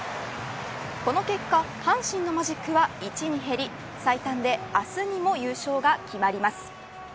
この結果阪神のマジックは１に減り最短で明日にも優勝が決まります。